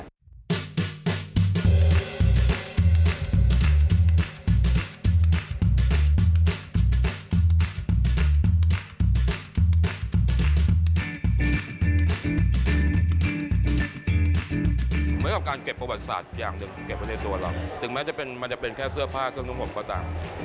เหมือนกับการเก็บประวัติศาสตร์อย่างนึงเก็บว่ะด้วยทั่วเราถึงแม้จะเป็นแค่เสื้อผ้า